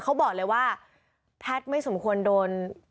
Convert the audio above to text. เขาบอกเลยว่าแพทย์ไม่สมควรโดน